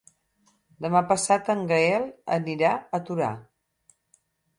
Demà passat en Gaël anirà a Torà.